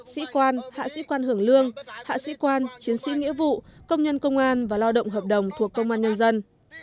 sĩ quan hạ sĩ quan hưởng lương hạ sĩ quan chiến sĩ nghĩa vụ công nhân công an và lao động hợp đồng thuộc công an nhân dân